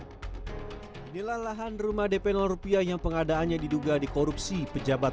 hai nilai lahan rumah depen rupiah yang pengadaannya diduga di korupsi pejabat